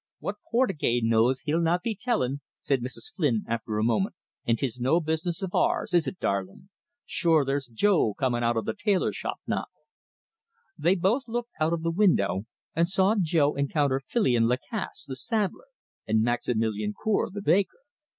"What Portugais knows, he'll not be tellin'," said Mrs. Flynn, after a moment. "An' 'tis no business of ours, is it, darlin'? Shure, there's Jo comin' out of the tailor shop now!" They both looked out of the window, and saw Jo encounter Filion Lacasse the saddler, and Maximilian Cour the baker.